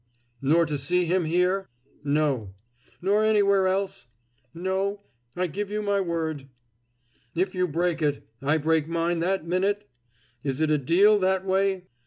"Nor to see him here?" "No." "Nor anywhere else?" "No. I give you my word." "If you break it, I break mine that minute? Is it a deal that way?"